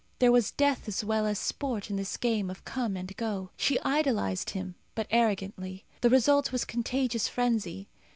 There was death as well as sport in this game of come and go. She idolized him, but arrogantly. The result was contagious frenzy.